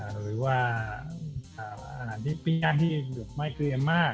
หรือว่าอาหารที่ไม่เครียมมาก